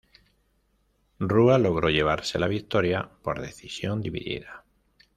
Rua logró llevarse la victoria por decisión dividida.